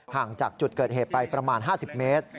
ห่างจากจุดเกิดเหตุไปประมาณ๕๐เมตร